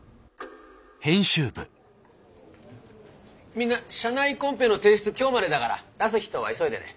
みんな社内コンペの提出今日までだから出す人は急いでね。